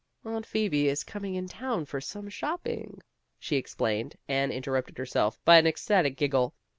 "Aunt Phoebe is coming in town for some shopping," she explained, and inter rupted herself by an ecstatic giggle.